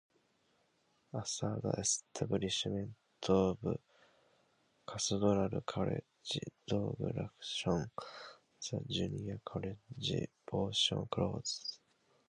After the establishment of Cathedral College, Douglaston, the junior college portion closed.